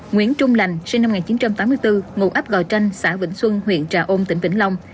nguyễn trung lành sinh năm một nghìn chín trăm tám mươi bốn ngụ ấp gò tranh xã vĩnh xuân huyện trà ôn tỉnh vĩnh long